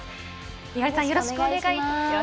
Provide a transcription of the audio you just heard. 猪狩さん、よろしくお願いします。